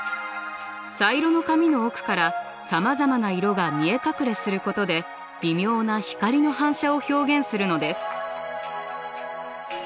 茶色の髪の奥からさまざまな色が見え隠れすることで微妙な光の反射を表現するのです。